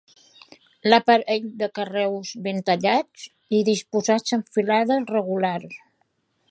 L'aparell, de carreus ben tallats i disposats en filades regulars.